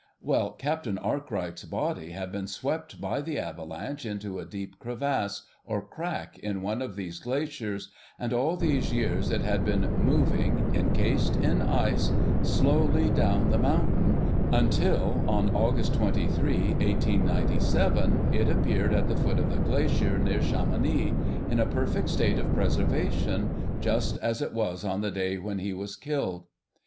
Well, Captain Arkwright's body had been swept by the avalanche into a deep crevasse, or 'crack' in one of these glaciers, and all these years it had been moving, encased in ice, slowly down the mountain, until, on August 23, 1897, it appeared at the foot of the glacier near Chamonix, in a perfect state of preservation, just as it was on the day when he was killed.